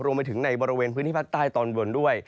รวมไปถึงในบริเวณพื้นที่ภาคใต้ตอนบนด้วย